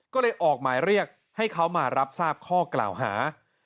ก็เลยออกหมายเรียกให้เขามารับทราบข้อกล่าวหา